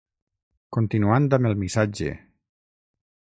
Continuant amb el missatge.